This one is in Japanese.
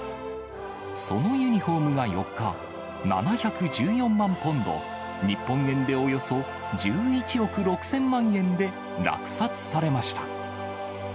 そのユニホームが４日、７１４万ポンド、日本円でおよそ１１億６０００万円で落札されました。